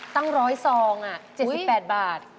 ตั้ง๑๐๐ซอง๗๘บาท